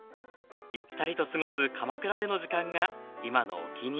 ゆったりと過ごす鎌倉での時間が今のお気に入り